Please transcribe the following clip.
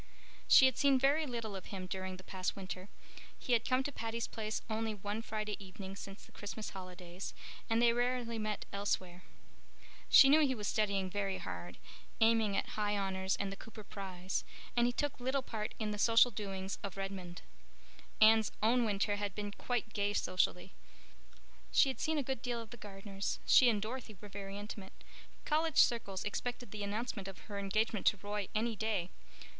She had seen very little of him during the past winter. He had come to Patty's Place only one Friday evening since the Christmas holidays, and they rarely met elsewhere. She knew he was studying very hard, aiming at High Honors and the Cooper Prize, and he took little part in the social doings of Redmond. Anne's own winter had been quite gay socially. She had seen a good deal of the Gardners; she and Dorothy were very intimate; college circles expected the announcement of her engagement to Roy any day.